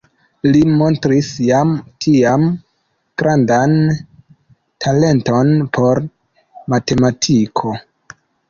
Li montris jam tiam grandan talenton por matematiko.